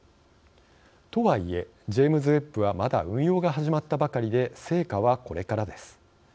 とはいえジェームズ・ウェッブはまだ運用が始まったばかりで成果はこれからです。